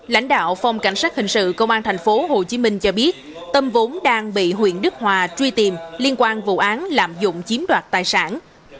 lãnh đạo phòng cảnh sát hình sự công an thành phố hồ chí minh cho biết tâm vốn đang bị huyện đức hòa truy tìm liên quan vụ án lạm dụng chiếm đoạt tài sản